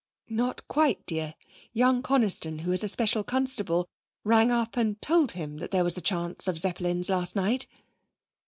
'Not quite, dear. Young Coniston, who is a special constable, rang up and told him that there was a chance of the Zeppelins last night.'